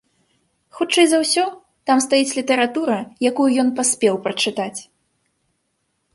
Хутчэй за ўсё, там стаіць літаратура, якую ён паспеў прачытаць!